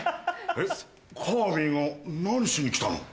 えっカービィが何しにきたの？